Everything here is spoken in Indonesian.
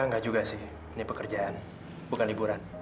enggak juga sih ini pekerjaan bukan liburan